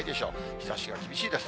日ざしが厳しいです。